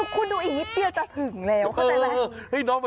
คุณดูอีกนิดเดียวจะถึงแล้ว